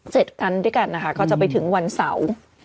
คันด้วยกันนะคะก็จะไปถึงวันเสาร์